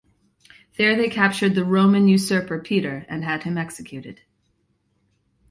There they captured the Roman usurper Peter and had him executed.